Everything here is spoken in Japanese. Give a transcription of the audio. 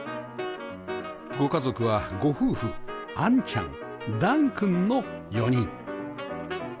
ご家族はご夫婦杏ちゃん旦くんの４人